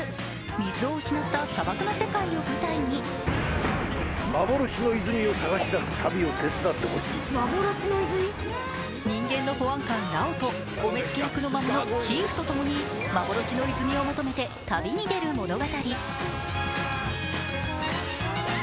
水を失った砂漠の世界を舞台に人間の保安官・ラオとお目付け役の魔物・シーフとともに幻の泉を求めて旅に出る物語。